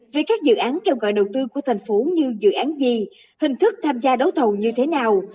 về các dự án kêu gọi đầu tư của thành phố như dự án gì hình thức tham gia đấu thầu như thế nào